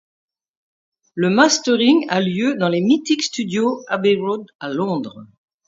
Le mastering a lieu dans les mythiques studios Abbey Road à Londres.